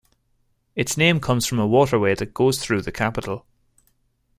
Its name comes from a waterway that goes through the capital.